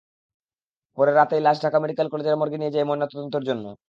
পরে রাতেই লাশ ঢাকা মেডিকেল কলেজের মর্গে নিয়ে যাই ময়নাতদন্তের জন্য।